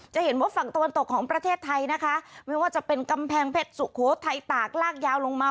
จะเห็นว่าฝั่งตะวันตกของประเทศไทยนะคะไม่ว่าจะเป็นกำแพงเพชรสุโขทัยตากลากยาวลงมา